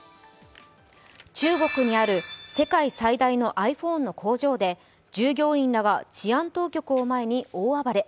中国にある世界最大のｉＰｈｏｎｅの工場で、従業員が治安当局を前に大暴れ。